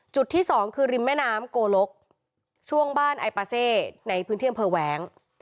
ที่สองคือริมแม่น้ำโกลกช่วงบ้านไอปาเซในพื้นที่อำเภอแหวง